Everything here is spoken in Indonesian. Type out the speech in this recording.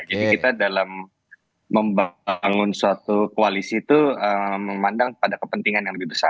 jadi kita dalam membangun suatu koalisi itu memandang pada kepentingan yang lebih besar